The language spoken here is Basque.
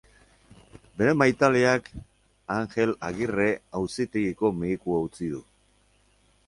Bere maitaleak Angel Agirre auzitegiko medikua utzi du.